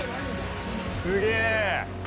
すげえ。